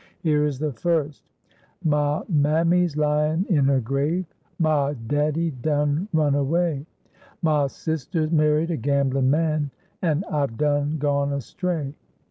Here is the first: "Mah mammy's lyin' in her grave, Mah daddy done run away, Mah sister's married a gamblin' man, An' I've done gone astray.